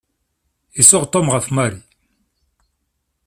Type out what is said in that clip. Isuɣ Tom ɣef Mary.